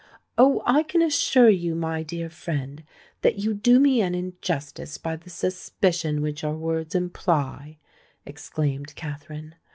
"Oh! I can assure you, my dear friend, that you do me an injustice by the suspicion which your words imply," exclaimed Katherine.